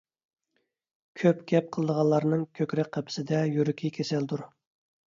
كۆپ گەپ قىلىدىغانلارنىڭ كۆكرەك قەپىسىدە يۈرىكى كېسەلدۇر.